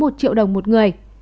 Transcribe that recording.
một triệu đồng một người